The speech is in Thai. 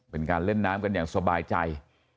เป็นการเล่นน้ำกันอย่างสบายใจ